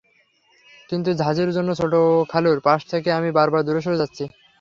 কিন্তু ঝাঁকির জন্য ছোট খালুর পাশ থেকে আমি বারবার দূরে সরে যাচ্ছি।